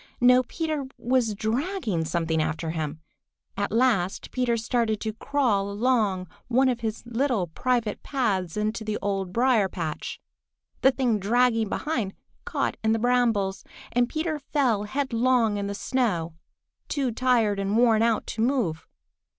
No, Peter was dragging something after him. At last Peter started to crawl along one of his little private paths into the Old Briar patch. The thing dragging behind caught in the brambles, and Peter fell headlong in the snow, too tired and worn out to move.